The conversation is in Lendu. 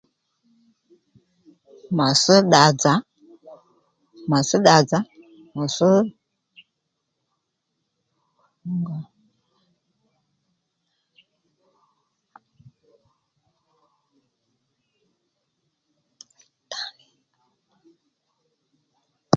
Mà sš ddadzà mà sš ddadzà mà sš